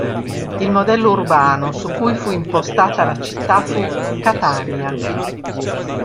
Il modello urbano su cui fu impostata la città fu Catania.